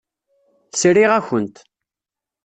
Sriɣ-akent.